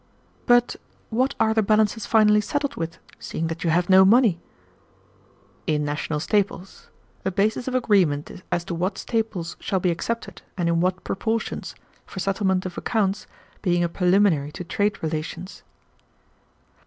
"But what are the balances finally settled with, seeing that you have no money?" "In national staples; a basis of agreement as to what staples shall be accepted, and in what proportions, for settlement of accounts, being a preliminary to trade relations."